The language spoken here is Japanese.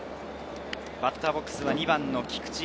バッターボックスは２番の菊池。